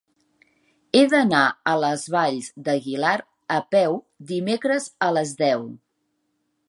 He d'anar a les Valls d'Aguilar a peu dimecres a les deu.